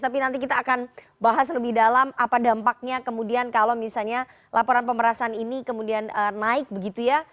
tapi nanti kita akan bahas lebih dalam apa dampaknya kemudian kalau misalnya laporan pemerasan ini kemudian naik begitu ya